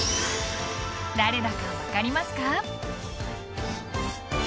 誰だか分かりますか？